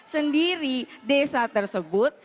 sendiri desa tersebut